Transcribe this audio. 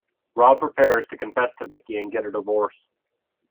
Rob prepares to confess to Micki and get a divorce.